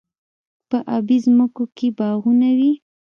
په ابی ځمکو کې باغونه وي.